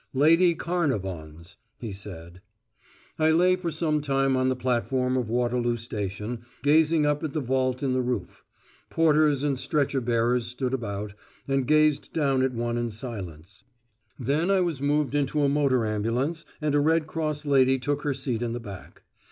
"Lady Carnarvon's," he said. I lay for some time on the platform of Waterloo station, gazing up at the vault in the roof. Porters and stretcher bearers stood about, and gazed down at one in silence. Then I was moved into a motor ambulance, and a Red Cross lady took her seat in the back.